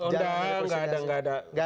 sudah nggak ada